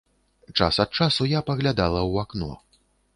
Час ад часу я паглядала ў вакно.